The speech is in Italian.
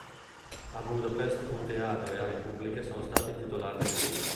A Budapest un teatro e aree pubbliche sono stati intitolati a lui.